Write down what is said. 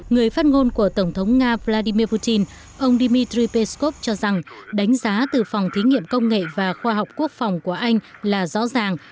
người phát ngôn của tổng thống nga vladimir putin ông dmitry peskov cho rằng đánh giá từ phòng thí nghiệm công nghệ và khoa học quốc phòng của anh là rõ ràng